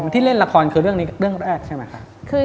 ที่เล่นละครคือเรื่องนี้เรื่องแรกใช่ไหมคะ